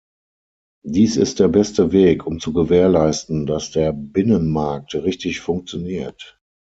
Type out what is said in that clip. Dies ist der beste Weg, um zu gewährleisten, dass der Binnenmarkt richtig funktioniert.